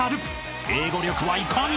［英語力はいかに？］